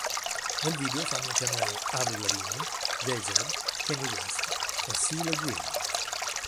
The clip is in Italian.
Nel video fanno un cameo Avril Lavigne, Jay-Z, Kanye West e Cee Lo Green.